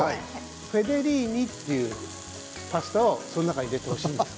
フェデリーニというパスタをその中に入れてほしいんです。